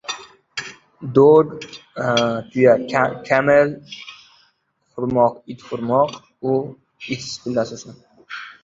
• It tuyaga qancha hurimasin, u eshitmaydi.